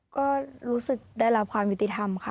ก็รู้สึกได้รับความยุติธรรมค่ะ